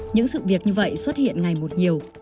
những sự việc như vậy xuất hiện ngày một nhiều